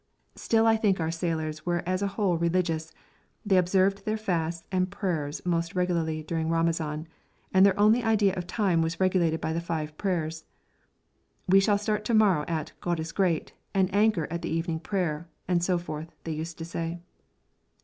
Still I think our sailors were as a whole religious; they observed their fasts and prayers most regularly during Ramazan, and their only idea of time was regulated by the five prayers. 'We shall start to morrow at "God is great," and anchor at the evening prayer,' and so forth, they used to say.